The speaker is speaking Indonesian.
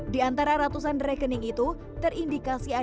di antara ratusan rekening itu terindikasi ada aliran uang